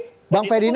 nah bang ferdinand